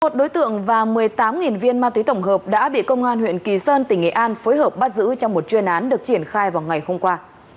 một mươi một đối tượng và một mươi tám viên ma túy tổng hợp đã bị công an huyện kỳ sơn tỉnh nghệ an phối hợp bắt giữ trong một chuyên án được triển khai vào ngày hôm qua